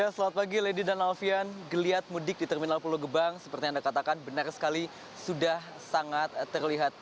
selamat pagi lady dan alfian geliat mudik di terminal pulau gebang seperti anda katakan benar sekali sudah sangat terlihat